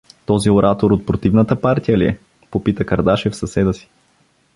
— Този оратор от противната партия ли е? — попита Кардашев съседа си.